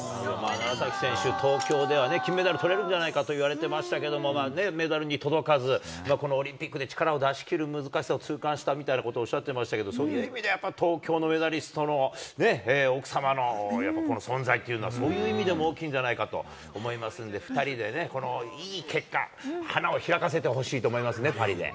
楢崎選手、東京では金メダルとれるんじゃないかといわれてましたけどね、メダルに届かず、このオリンピックで力を出し切る難しさを痛感したみたいなことをおっしゃってましたけど、そういう意味ではやっぱり、東京のメダリストの奥様のやっぱりこの存在というのは、そういう意味でも大きいんじゃないかなと思いますので、２人でね、いい結果、花を開かせてほしいと思いますね、パリで。